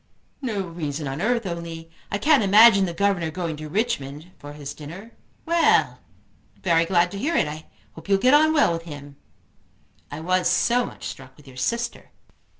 "No reason on earth, only I can't imagine the governor going to Richmond for his dinner. Well! I am very glad to hear it. I hope you'll get on well with him." "I was so much struck with your sister."